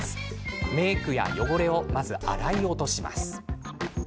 メークや汚れを洗い落とします